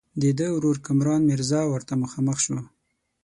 د ده ورور کامران میرزا ورته مخامخ شو.